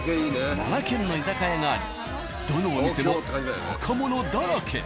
７軒の居酒屋がありどのお店も若者だらけ。